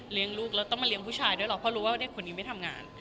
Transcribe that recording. ลูกแล้วต้องมาเลี้ยงผู้ชายด้วยหรอกเพราะรู้ว่าเด็กคนนี้ไม่ทำงาน